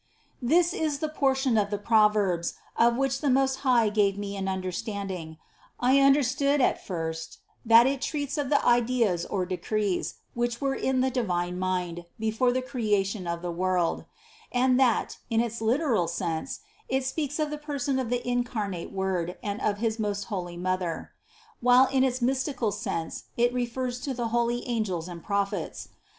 54. This is the portion of the Proverbs, of which the Most High gave me an understanding. I understood at first, that it treats of the ideas or decrees, which were in the Divine Mind before the Creation of the world; and that, in its literal sense, it speaks of the Person of the Incarnate Word and of his most holy Mother, while in its mystical sense it refers to the holy angels and prophets.